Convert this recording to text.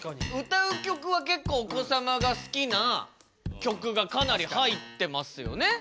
歌う曲は結構お子さまが好きな曲がかなり入ってますよね。